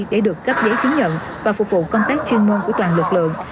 để được cấp giấy chứng nhận và phục vụ công tác chuyên môn của toàn lực lượng